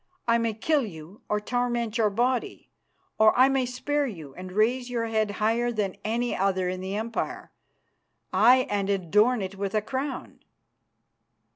I may kill you or torment your body. Or I may spare you and raise your head higher than any other in the Empire, aye, and adorn it with a crown."